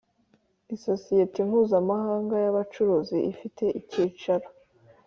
Isosiyete mpuzamahanga y ubucuruzi ifite icyicaro